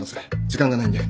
時間がないんで。